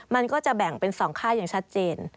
มันก็จะแบ่งเป็น๒ค่ายอย่างชัดเจน